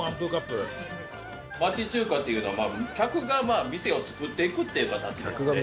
町中華っていうのは客が店を作っていくっていう形ですね。